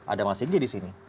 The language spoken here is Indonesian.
ada mas singgi di sini